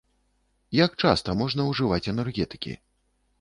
Як часта можна ўжываць энергетыкі?